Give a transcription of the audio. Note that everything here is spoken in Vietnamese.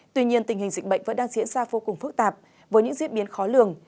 tuy nhiên tình hình dịch bệnh vẫn đang diễn ra vô cùng phức tạp với những diễn biến khó lường